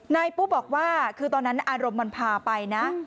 นายปุ๊บอกว่าคือตอนนั้นอารมณ์มนต์ผ่าไปนะ